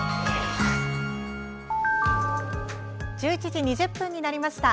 １１時２０分になりました。